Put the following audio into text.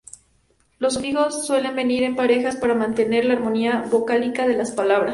Los sufijos suelen venir en parejas para mantener la armonía vocálica de las palabras.